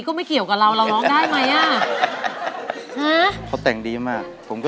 สำหรับ